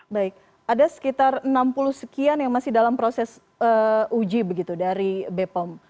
baik ada sekitar enam puluh sekian yang masih dalam proses uji begitu dari bepom